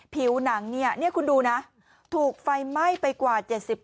ผิวหนังเนี่ยนี่คุณดูนะถูกไฟไหม้ไปกว่า๗๐